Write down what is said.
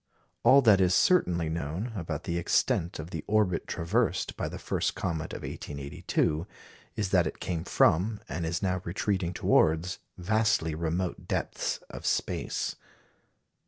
All that is certainly known about the extent of the orbit traversed by the first comet of 1882 is that it came from, and is now retreating towards, vastly remote depths of space.